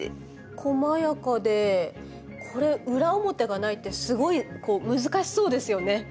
こまやかでこれ裏表がないってすごいこう難しそうですよね。